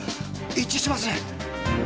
一致しますね！